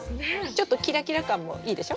ちょっとキラキラ感もいいでしょ？